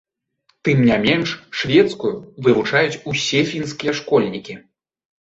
Тым не менш, шведскую вывучаюць усе фінскія школьнікі.